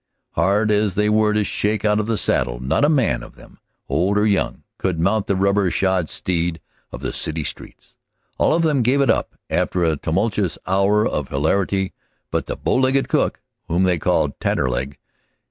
Hard as they were to shake out of the saddle, not a man of them, old or young, could mount the rubber shod steed of the city streets. All of them gave it up after a tumultuous hour of hilarity but the bow legged cook, whom they called Taterleg.